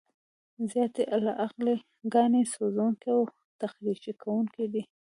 زیاتې القلي ګانې سوځونکي او تخریش کوونکي دي.